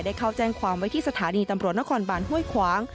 เข้าแจ้งความไว้ที่สถานีตำรวจนครบานห้วยขวาง